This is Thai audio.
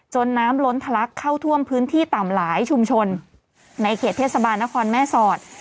น้ำล้นทะลักเข้าท่วมพื้นที่ต่ำหลายชุมชนในเขตเทศบาลนครแม่สอด